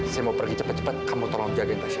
saya mau pergi cepat cepat kamu tolong jagain tas